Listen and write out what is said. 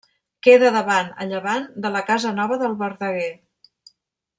Queda davant, a llevant, de la Casa Nova del Verdeguer.